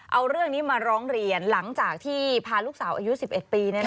เอาเรื่องนี้มาร้องเรียนหลังจากที่พาลูกสาวอายุ๑๑ปี